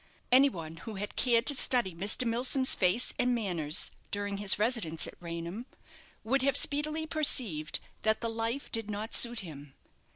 Any one who had cared to study Mr. Milsom's face and manners during his residence at Raynham, would have speedily perceived that the life did not suit him.